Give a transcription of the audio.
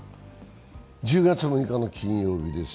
１０月６日の金曜日です。